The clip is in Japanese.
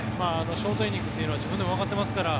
ショートイニングというのは自分でもわかってますから